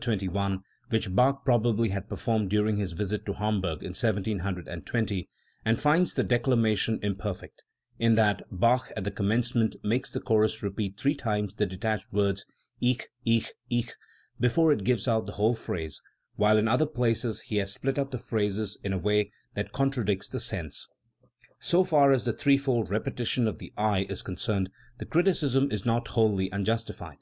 21), which Bach probably had performed during his visit to Hamburg in 1720, and finds the declamation im perfect, in that Bach at the commencement makes the chorus repeat three times the detached words "Ich, ich, ich", before it gives out the whole phrase, while in other places he has split up the phrases in a way that contra dicts the sense. So far as the threefold repetition of the "I" is concerned the criticism is not wholly unjustified.